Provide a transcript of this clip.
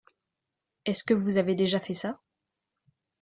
Est-ce que vous avez déjà fait ça ?